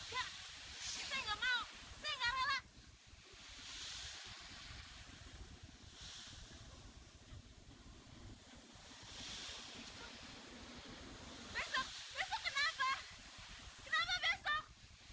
jalan kung jalan se di sini ada pesta besar besaran